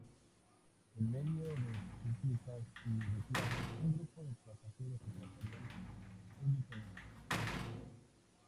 En medio de súplicas y reclamos, un grupo de pasajeros ecuatorianos es detenido.